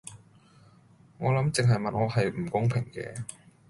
我諗淨係問我係唔公平嘅